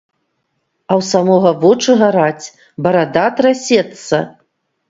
А ў самога вочы гараць, барада трасецца.